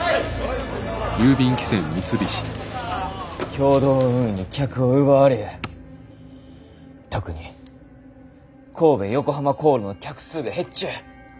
共同運輸に客を奪われ特に神戸横浜航路の客数が減っちゅう。